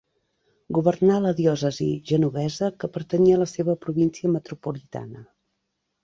Governà la diòcesi genovesa, que pertanyia a la seva província metropolitana.